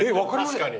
確かに。